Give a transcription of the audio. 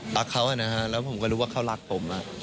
รักเขานะฮะแล้วผมก็รู้ว่าเขารักผม